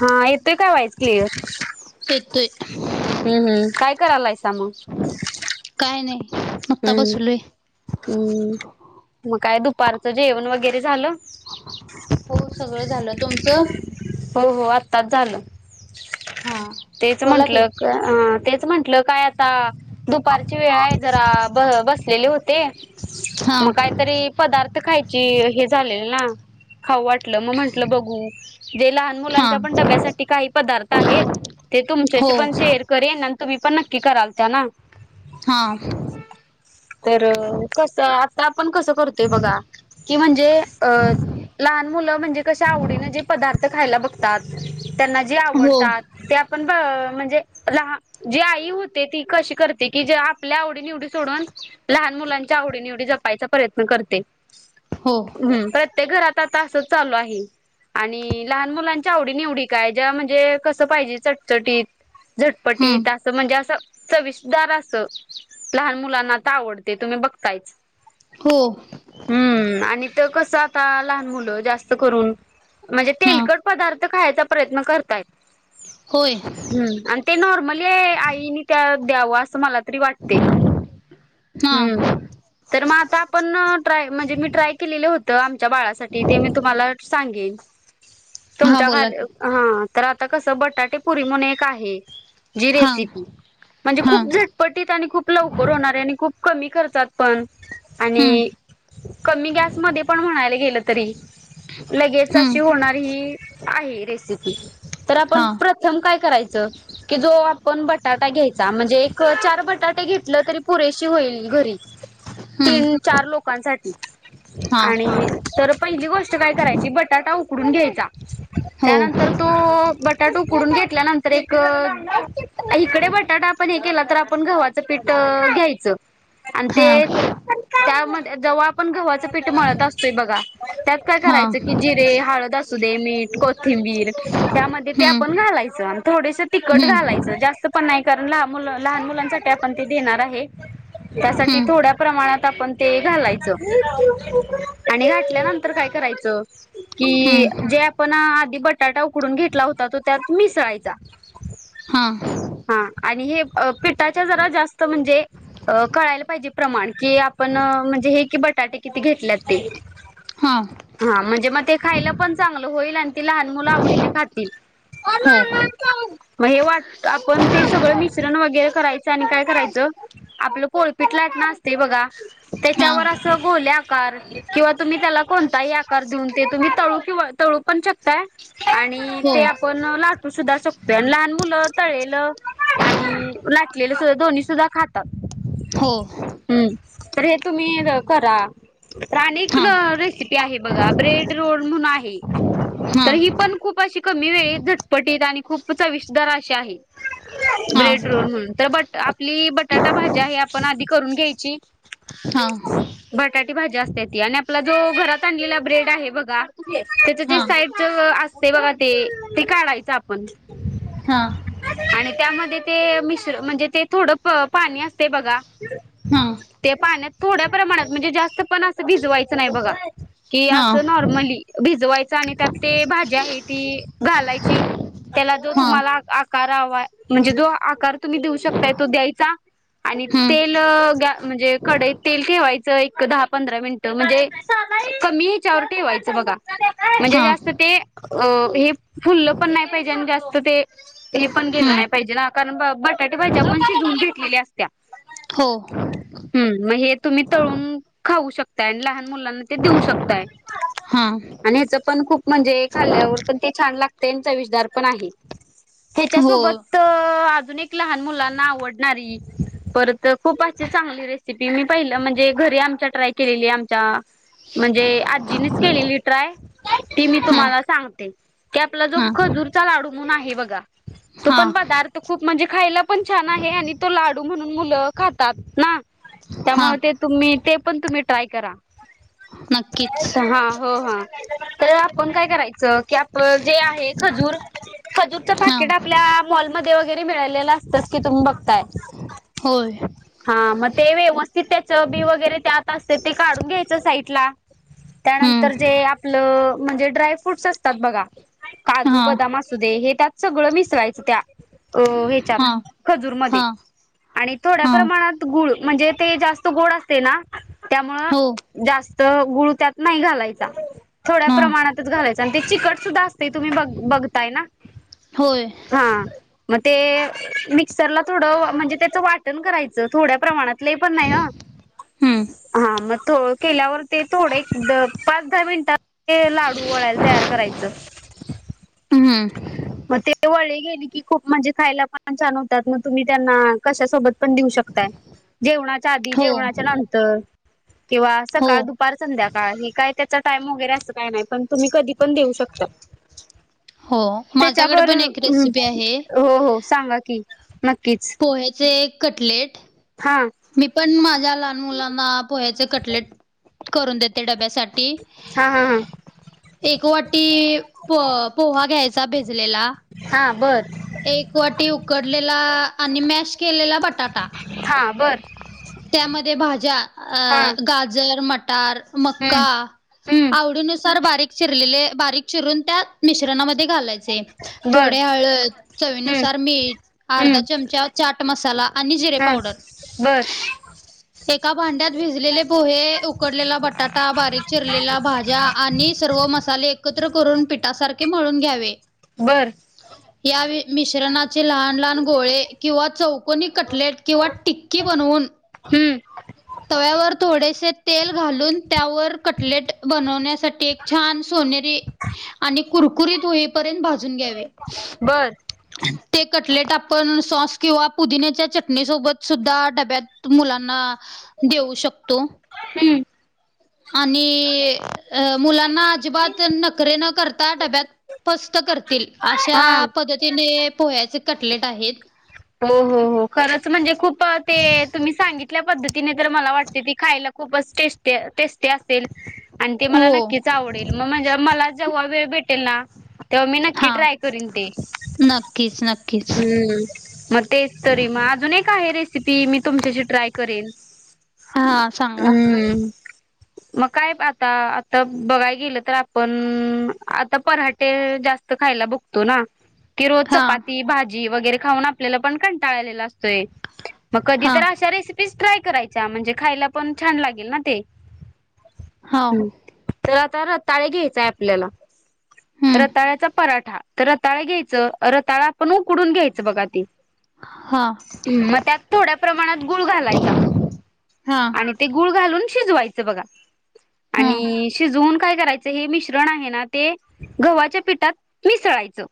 हा येतोय काय व्हाईच क्लिअर? येतोय काय करायलायसा मग? काय नाही. आता बसलोय. हम्म. मग काय दुपारचं जेवण वगैरे झालं? हो सगळं झालं तुमचं हो हो आत्ताच झालं. हा तेच बोला की. म्हंटलं क तेच म्हंटलं काय आता. दुपारची वेळ आहे. जरा ब बसलेले होते. हा मग काहीतरी पदार्थ खायचे कि हे झालेल ना. खाऊ वाटलं मग म्हंटलं बघू. जे लहान हा मुलांच्या पण डब्यासाठी काही पदार्थ आहेत. ते हो तुमच्याशी पण शेअर करेनं अनं तुम्ही पण नक्की कराल त्या ना? हा. तर कस आता आपण कसं करतोय बघा की म्हणजे. अ लहान मुलं म्हणजे कसे आवडीने जे पदार्थ खायला बघतात. त्यांना जे हो आवडतात. पण म्हणजे जी आई होते. ती कशी करते की आपल्या आवडी निवडी सोडुन लहान मुलांच्या आवडी-निवडी जपायचा प्रयत्न करते. हो हमं प्रत्येक घरात आता असंच चालू आहे. आणि लहान मुलांच्या आवडी-निवडी काय? ज्या म्हणजे पाहिजे चटचटीत. झटपटी हम्म म्हणजे असं चविस्दार असं. लहान मुलांना आता आवडते तुम्ही बघतायच. हो. ते कसं आता, लहान मुलं जास्त करून म्हणजे हा तेलकट पदार्थ. ते खायचा प्रयत्न करताय होय हम. अण ते न नॉर्मल मली आईनी त्या द्याव असं मला तरी वाटते. हा. हम्म तर मग आता आपण ट्राय म्हणजे मी ट्राय केलेलं होतं. आमच्या बाळासाठी ते मी तुम्हाला सांगेन. हा तुमच्या बोला घर की हा तर आता कस बटाटेपुरी म्हून एक आहे.. जी हा रेसिपी. म्हणजे हा खूप झटपटीत आणि खूप.. लवकर होणारे आणि खूप कमी खर्चातपण हम्म आणि. कमी गॅसमध्ये पण म्हणायला गेलं तरी. लगेच हम्म अशी होणारी ही आहे रेसिपी तर आपण हा प्रथम काय करायच. की जो आपण बटाटा घ्यायचा. म्हणजे एक चार बटाटे घेतलं तरी पुरेशी होईल. घरी हम्म तीन-चार लोकांसाठी हा आणि तर पहिली गोष्ट. काय करायची बटाटा उकडून घ्यायचा हो त्यानंतर तो च बटाटो उकडून घेतल्यानंतर एक इकडे बटाटा आपण हे केला तर आपण गव्हाच पीठ. घ्यायचं. आणि हा ते त्यामध्ये जेव्हा आपण गव्हाचं पीठ मळत असतोय बघा त्या. काय हा करायचं की जिरे. हळद असू दे. मीठ कोथिंबीर. त्यामध्ये ते आपण हम्म घालायचं. आणि थोडेस तिकट हम्म घालायचं. जास्त पण नाही. कारण लान मुल लहान मुलांसाठी आपण ते देणार आहे. त्यासाठी हम्म थोड्या प्रमाणात आपण ते घालायचं आणि घातल्यानंतर काय कराय की हम्म जे आपण आधी बटाटा उकडून घेतला हो तो त्यात मिसळायचा. हा हा आणि हे पिठाच्या जरा जास्त म्हणजे अ कळायला पाहिजे प्रमाण की आपण म्हणजे हे कि, आपण बटाटे किती घेतलेत ते. हा हा म्हणजे मग ते खायला पण चांगलं होईल आणि ते लहान मुलं आवडीने खातील. हो मग हे वाट आपण ते सगळं मिश्रण वगैरे करायचं आणि काय करायचं आपलं पोळपीट ला बघा हा त्याच्यावर अस गोल्या किंवा तुम्ही त्याला कोणताही आकार देऊन ते तुम्ही तळू किंवा तळू पण शकताय आणि हो ते आपण लाग त सुद्धा शकतोय. आणि लहान मुलं तळलेल आणि लाटलेलं सुद्धा दोन्ही सुद्धा खातात. हो हम्म तर हे तुम्ही करा प्रणीक हा रेसिपी आहे बघा. ब्रेड रोल म्हणून आहे. हा तर ही पण खूप अशी कमी वेळेत झटपटीत आणि खूप चविषदार अशी आहे. हा ब्रेड रोल म्हणून तर बट आपली बटाटा भाजी आहे आपण आधी करून घ्यायची. हा बटाटी भाजी असते ती आणि आपला जो घरात आणलेला ब्रेड आहे बघा त्याचं हा जे साईडचं आस ते बघा ते ते काढायचं आपण. हा आणि त्यामध्ये ते मिश्र म्हणजे ते थोडं प पाणी असते बघा. हा ते पाण्यात थोड्या प्रमाणात म्हणजे जास्त पण असं भिजवायचं नाही बघा कि हा असं नॉर्मली भिजवायचं आणि त्यात ते भाजी आहे ती घालायची. त्याला जो हा तुम्हाला आकार हवा म्हणजे, जो आकार तुम्ही देऊ शकताय तो द्यायचा. आणि हम्म तेल म्हणजे कडईत तेल ठेवायचं एक दहा पंधरा मिनिटं म्हणजे कमी हच्यावर ठेवायचं बघा म्हणजे हा जास्त ते अ हे फुल्लं पण नाही पाहिजे. आणि जास्त ते हे पण गेलं हम्म नाही पाहिजे ना. कारण बट भाज्या पण शिजवून घेतलेल्या असत्या. हो हम्म मग हे तुम्ही तळून खाऊ शकताय. आणि लहान मुलांना ते देऊ शकताय. हा आणि ह्याच पण खूप म्हणजे खाल्ल्यावर पण ते छान लागते चविषदार पण आहे. हो त्याच्यासोबत अनेक लहान मुलांना आवडणारी परत खूप अशी चांगली रेसिपी मी पाहिलं म्हणजे घरी घरी आमच्या ट्राय केलेली आमच्या म्हणजे आजींनीच केलेली ट्राय ती मी हा तुम्हाला सांगते ते आपला हा खजूरचा लाडू म्हणून आहे बघा तो हा पण पदार्थ खूप म्हणजे खायला पण छान आहे, आणि तो लाडू म्हणून मुलं खातात ना. हा त्यामुळे ते तुम्ही ते पण तुम्ही ट्राय करा. नक्कीच हा हो हा तर आपण काय कराय जे आहे खजूर खजूरच हा पाकीट आपल्या माँल वगैरे मिळालेलं असतंच की तुम्ही बघताय. होय. हा मग ते व्यवस्थित त्याचं बी वगैरे त्यात असते ते काढून घ्यायचं साईटला. त्यानंतर हम्म जे आपलं म्हणजे ड्राय फूट्स असतात बघा काजू, हा बदाम असुदे हे त्यात सगळं मिसवायचं. त्या अं ह्याच्यात हा हा खजूरमध्ये आणि थोड्या हा प्रमाणात गुळ म्हणजे ते जास्त गोड असते ना त्यामुळं हो जास्तं गुळू त्यात नाही घालायचा. थोड्या हा प्रमाणातच घालायचा. ते चिकट सुद्धा असते तुम्ही ब बघताय ना. होय. हा मग ते मिक्सरला थोडं म्हणजे त्याचं वाटण करायचं थोड्या प्रमाणात लय पण नाही हं. हम्म हा मं केल्यावर ते थोडं पाच दहा मिनिटांत लाडू वळायला. तयार करायचं. हम् हम. मग ते वळी केली की खूप म्हणजे खायला पण छान होतात मग तुम्ही त्यांना कशासोबत पण देऊ शकताय. जेवणाच्या आधी हो जेवणाच्या नंतर किंवा हो सकाळ, दुपार, संध्याकाळ का हे काय त्याचा टाइम वगैरे असं काय नाही पण तुम्ही कधी पण देऊ शकता. हो. माझ्याकडे त्याच्यावर पण एक रेसिपी आहे हो हो सांगा की नक्कीच पोह्याचे कटलेट हा मी पण माझ्या लहान मुलांना पोह्याचे कटलेट करून देते डब्यासाठी हा हा हा ते एक वाटी प पोहा घ्यायचा भीजलेला. हा बर एक वाटी उकडलेला आणि मॅश केलेला बटाटा हा बर त्यामध्ये भाज्या हा अं गारज. मटार, हम्म मक्का हम्म आवडीनुसार बरीक. चिरलेले बारीक चिरून त्या मिश्रणामध्ये घालायचे. बर थोडी हळद, हम्म चवीनुसार मीठ अर्धा चमचा चाट मसाला आणि जिरे हम्. पावडर एका भांड्यात भिजलेले पोहे, उकडलेला बटाटा, बारीक चिरलेल्या भाज्या आणि सर्व मसाले एकत्र करून पिठासारखे मळून घ्यावे. बरं. या मिश्रणाचे लहान लहान गोळे किंवा चौक कोणी कटलेट किंवा टिक्की बनवून हम्म तव्यावर थोडेसे तेल घालून त्यावर कटलेट बनण्यासाठी एक छानस. सोनेरी आणि कुरकुरीत होईपर्यंत भाजुन घ्यावे बर ते कटलेट आपण सॉस किंवा पुदिन्याच्या चटणी सोबत सुद्धा डब्यात मुलांना देऊ शकतो. हम. आणि मुलांना अजिबात नकरे न करता डब्यात पस्त करतील अशा हा पद्धतीने पोह्याचे कटलेट आहेत. हो हो हो खरंच म्हणजे खूप ते तुम्ही सांगितल्या पद्धतीन तिने तर मला वाटतय ती खायला खूपच टेस्टी, टस्ट. ते असेल. आणि ते मला हो. नक्कीच आवडेल मग म्हणजे मला जेव्हा वेळ भेटेल ना. तेव्हा मी नक्की हा ट्राय करीन ते नक्कीच नक्कीच हम्म. मग तेच तरी मग अजून एक आहे रेसिपी मी तुमच्याशी ट्राय करेन. हा सांगा हम्म‌. मग काय आता, आता बघाय गेलं तर आपण आता पराटे. जास्तत खायला बघतो ना. की रोज हा चपाती भाजी वगैरे खाऊन आपल्याला पण कंटाळ आलेला असतोय. मग कधी हा तर अशा रेसिपीज ट्राय करायच्या म्हणजे खायला पण छान लागेल ना ते. हो हम्म, तर आता रताळे घ्यायचाय आपल्याला. हम्म रताळ्याचा पराठा,, तर रताळा घ्यायचं रताळा आपण उकडून घ्यायचं बघा ते. हा मग त्यात थोड्या प्रमाणात गुळ घालायचा. हा आणि ते गुळ घालून शिजवायचं बघा हा आणि शिजवून. काय करायच हे मिश्रण आहे ना ते गव्हाच्या पिठात मिसळायचं.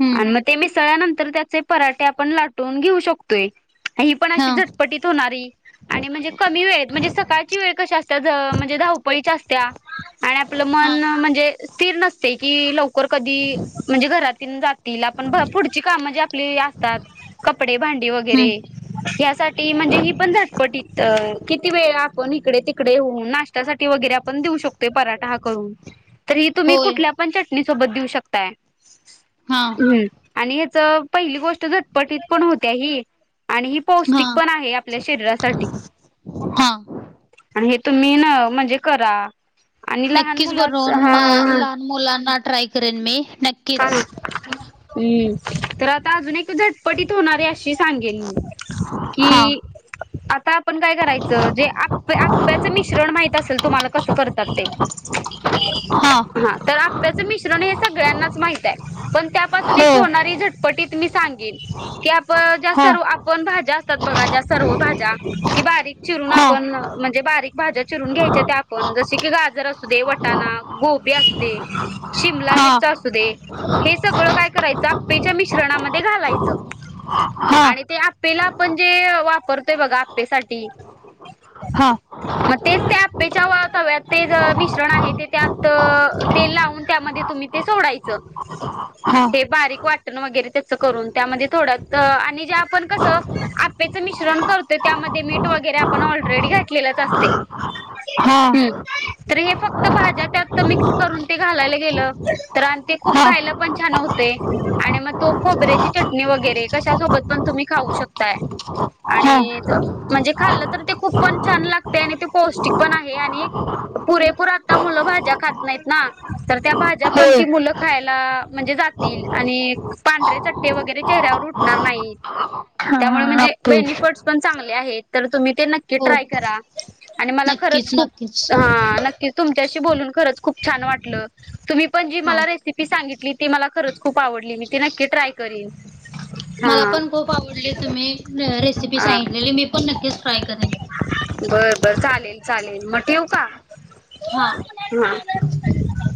हम्म आणि मग ते मिसळल्यानंतर त्याचे पराठे आपण लाटून घेऊ शकतोय. ही पण हा अशी झटपटीत होणारी. आणि म्हणजे कमी वेळेत,, म्हणजे सकाळची वेळ कशी असत्या म्हणजे धावपळीची असत्या. आणि आपलं हा मन म्हणजे स्थिर नसऽऽ की लवकर कधी म्हणजे घरातील जातील, आपण पुढची काम म्हणजे आपली. तात, कपडे, भांडी वगैरे. हम्म ह्यासाठी म्हणजे ही पण झटपटीतऽअंऽ किती वेळा आपण इकडे, तिकडे होऊन, नाश्त्यासाठी वगैरे आपण देऊ शकतोय हा पराठा करून. तर हि तुम्ही होय कुठल्या पण चटणी सोबत देऊ शकताय,, हा हम्. आणि ह्याचं पहिली गोष्ट,, झटपटीत पण होत्या ही. आणि हि हा पौष्टिक पण आहे आपल्या शरीरासाठी,, हा आणि हे. तुम्ही न म्हणजे करा. आणि लहान नक्कीच मुलाच हा बनवून हा हा लहान मुलांना ट्राय करेन मी. अ, नक्कीच हम्म, तर आता अजून एक झटपटीत होणारी अशी ऽऽ पी सांगेन मी,,, हा की आऽऽ पण काय करायचं जे आप आप्याच मिश्रण माहित असेल तुम्हाला कस करऽऽ सतात ते,, हा तर आप्याचं मिश्रण हे सगळ्यांनाऽ नाच माहितीय,, पन त्या पासून एक हो होणारी झटापटीत मी सांगेन. व ज्या हा सर्व हा आपण भाज्या असतात बघा. ज्या सर्व भाज्या. की बारीकऽऽ चिरुन आपन म्हन्जे. बारिऽऽ बारीक भाज्या चिरून घ्यायच्या त्या आपण जसे की गाजर, असू दे वटाणा, गोबी, अस दे. शिमला हा मिरच असुऽऽ हे, हे सगळं काय करायचं आपपेच्या मिश्रणामध्ये घालायचं. हा आणि ते आपेला आपण जे वापरतोय बघा आपेसाठी. हा, मग तेच त्या आपेच्या अंऽ तव्यात ते मिश्रण आहे ते त्यात तेल लावून त्यामध्येऽ तुम्ही ते सोडायचं. हा हे बारीक वाटण वगैरे त्याच करून त्यामध्ये थोड आणि जे आपण कस आप्पेऽऽ मिश्रण करतो त्यामध्ये मीठ वगैरे आपण ऑलरेडी घातलेलंच असतंय. हा ्हमम, तर हे फक्त भाज्या त्यात मिक्स करून ते घालायला गेलं तर आऽऽ ते खूप हा खायला पण छान होतय, आणि मग तो खोबऱ्याची चटणी, वगैरे कश्या सोबत पण तुम्ही खाऊऽ होऊ शकताय. आणि,, हा म्हणजे खाल्लं तर ते खूप पण छान लागते. आणि ते पौष्टिक पण आहे आणिऽऽ पुरेपूर आता मुलं भाज्या खात नाहीत ना, तर त्या भाज्या पण होय ती मुलं. खायला, म्हणजे जातील आणि पांढे चट्टे वगैरे चेहऱ्यावर उठणार नाहीत. हाऽ हऽ बेनिफिटस पण चांगले आहेत, तर तुम्ही ते नक्की हो ट्राय करा. आणि मला खरंच नक्कीच खूप नक्कीच हा नक्कीच तुमच्याशी बोलून खरंच खूप छान वाटलं तुम्ही पण जी हा मला रेसिपी सांगितली ती मला खरंच खूप आवडली मी ती नक्की ट्राय करेन मला पण खूप आवडली तुम्ही रेसिपी सांगितलेली मी पण नक्कीच ट्राय करेन बर बर चालेल चालेल मट येेऊ का हा ह